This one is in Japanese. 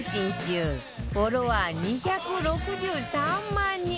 フォロワー２６３万人！